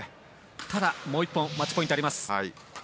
ただもう１本マッチポイントあります。